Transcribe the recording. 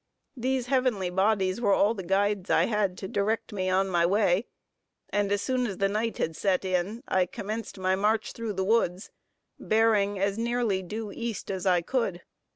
These heavenly bodies were all the guides I had to direct me on my way, and as soon as the night had set in, I commenced my march through the woods, bearing as nearly due east as I could.